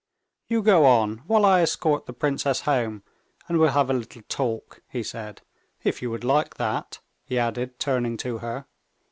"You go on, while I escort the princess home, and we'll have a little talk," he said, "if you would like that?" he added, turning to her.